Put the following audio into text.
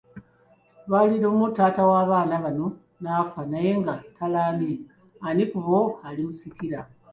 Lwali lumu taata w’abaana bano n'affa naye nga talaamye ani ku bo alimusikira.